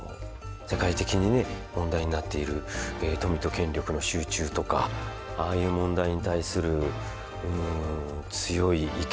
世界的に問題になっている富と権力の集中とかああいう問題に対する強い意見。